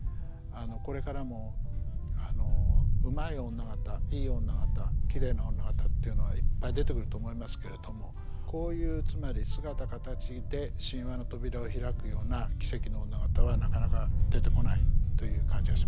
これからもうまい女方いい女方きれいな女方っていうのはいっぱい出てくると思いますけれどもこういうつまり姿形で神話の扉を開くような奇蹟の女方はなかなか出てこないという感じがしますね。